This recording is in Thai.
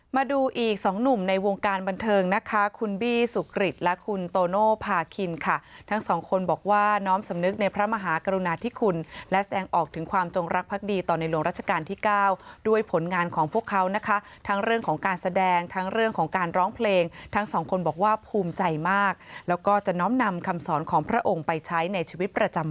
มาดูอีกสองหนุ่มในวงการบันเทิงนะคะคุณบี้สุกริตและคุณโตโนภาคินค่ะทั้งสองคนบอกว่าน้อมสำนึกในพระมหากรุณาธิคุณและแสดงออกถึงความจงรักภักดีต่อในหลวงราชการที่เก้าด้วยผลงานของพวกเขานะคะทั้งเรื่องของการแสดงทั้งเรื่องของการร้องเพลงทั้งสองคนบอกว่าภูมิใจมากแล้วก็จะน้อมนำคำสอนของพระองค์ไปใช้ในชีวิตประจำ